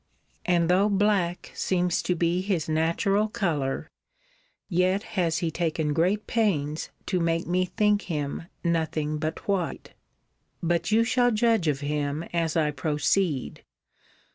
And though black seems to be his natural colour, yet has he taken great pains to make me think him nothing but white. But you shall judge of him as I proceed.